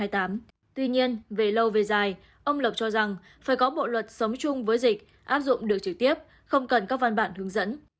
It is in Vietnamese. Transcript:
tuy nhiên về lâu về dài ông lập cho rằng phải có bộ luật sống chung với dịch áp dụng được trực tiếp không cần các văn bản hướng dẫn